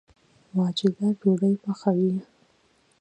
واجده ډوډۍ پخوي